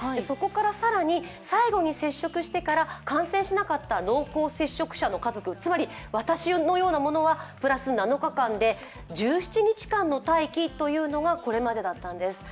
そこから更に最後に接触してから、感染しなかった濃厚接触者の家族、つまり私のようなものはプラス７日間で１７日間の待機というのがこれまでだったんです。